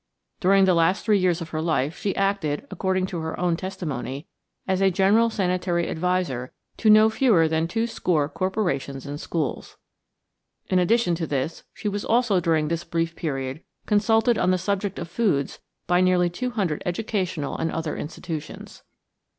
During the last three years of her life she acted, according to her own testimony, as general sanitary adviser to no fewer than two score corporations and schools. In addition to this she was also during this brief period consulted on the subject of foods by nearly two hundred educational and other institutions.